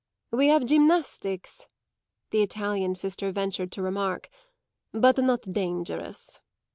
"We have gymnastics," the Italian sister ventured to remark. "But not dangerous."